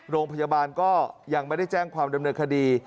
โรงพยาบาลก็ยังไม่ได้แจ้งความดำเนินคดี